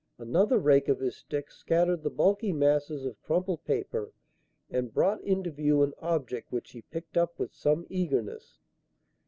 Another rake of his stick scattered the bulky masses of crumpled paper and brought into view an object which he picked up with some eagerness.